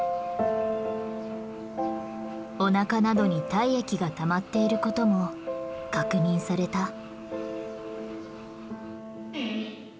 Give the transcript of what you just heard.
おなかなどに体液がたまっていることも確認された。